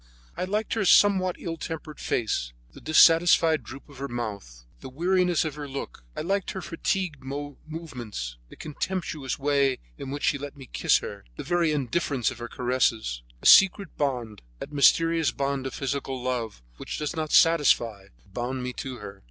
I liked her somewhat ill tempered face, the dissatisfied droop of her mouth, the weariness of her look; I liked her fatigued movements, the contemptuous way in which she let me kiss her, the very indifference of her caresses. A secret bond, that mysterious bond of physical love, which does not satisfy, bound me to her.